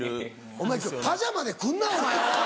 お前パジャマで来んなお前は！